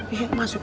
iya masuk yuk